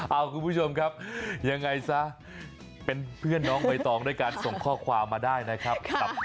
เอาคุณผู้ชมครับยังไงซะเป็นเพื่อนน้องใบตองด้วยการส่งข้อความมาได้นะครับ